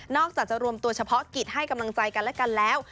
อกจากจะรวมตัวเฉพาะกิจให้กำลังใจกันและกันแล้ว